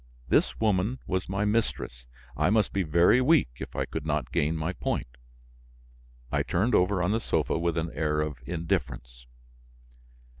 This woman was my mistress; I must be very weak if I could not gain my point. I turned over on the sofa with an air of indifference.